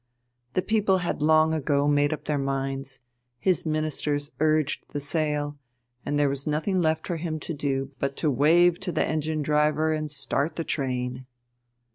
The people had long ago made up their minds, his Ministers urged the sale, and there was nothing left for him to do but to "wave to the engine driver and start the train."